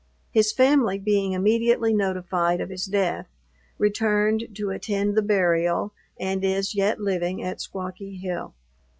His family being immediately notified of his death, returned to attend the burial, and is yet living at Squawky Hill.